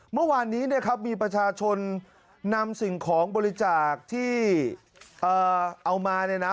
เมื่อวานนี้นะครับมีประชาชนนำสิ่งของบริจาคที่เอามาเนี่ยนะ